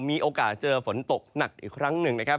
มีโอกาสเจอฝนตกหนักอีกครั้งหนึ่งนะครับ